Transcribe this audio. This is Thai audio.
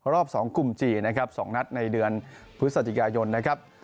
รอบ๒กลุ่มจีนนะครับ๒นัดในเดือนพฤศจิกายนนะครับ